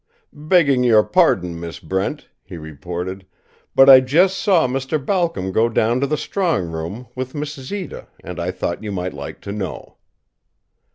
"Begging your pardon, Miss Brent," he reported, "but I just saw Mr. Balcom go down to the strong room with Miss Zita, and I thought you might like to know."